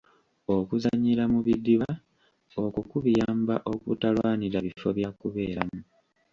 Okuzannyira mu bidiba okwo kubiyamba obutalwanira bifo byakubeeramu.